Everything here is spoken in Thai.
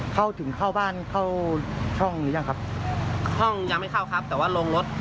เข้าถึงเข้าบ้านเข้าช่องหรือยังครับห้องยังไม่เข้าครับแต่ว่าลงรถ